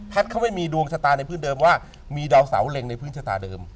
เขาไม่มีดวงชะตาในพื้นเดิมว่ามีดาวเสาเล็งในพื้นชะตาเดิม